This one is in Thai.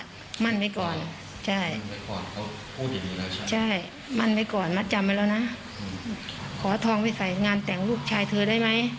มั่นไว้ก่อนมัดจำไว้แล้วนะขอทองไปใส่งานแต่งลูกชายเธอได้ไหม